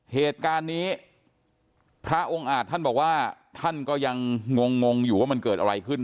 เหตุการณ์นี้พระองค์อาจท่านบอกว่าท่านก็ยังงงงอยู่ว่ามันเกิดอะไรขึ้น